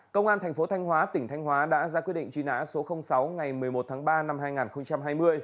công an thành phố thanh hóa tỉnh thanh hóa đã ra quyết định truy nã số sáu ngày một mươi một tháng ba năm hai nghìn hai mươi